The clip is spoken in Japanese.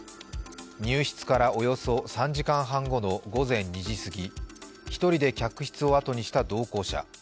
入室からおよそ３時間半後の午前２時すぎ、１人で客室をあとにした同行者。